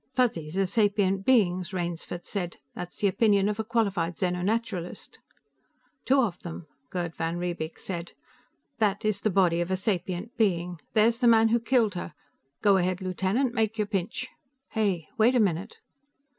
"Fuzzies are sapient beings," Rainsford said. "That's the opinion of a qualified xeno naturalist." "Two of them," Gerd van Riebeek said. "That is the body of a sapient being. There's the man who killed her. Go ahead, Lieutenant, make your pinch." "Hey! Wait a minute!"